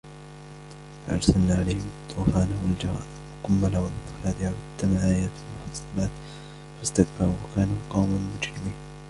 فأرسلنا عليهم الطوفان والجراد والقمل والضفادع والدم آيات مفصلات فاستكبروا وكانوا قوما مجرمين